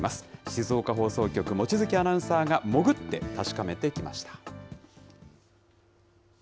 静岡放送局、望月アナウンサーが潜って確かめてきました。